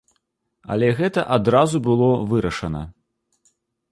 Але гэта адразу было вырашана.